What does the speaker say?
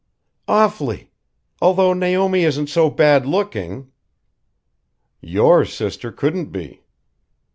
"Awfully! Although Naomi isn't so bad looking " "Your sister couldn't be."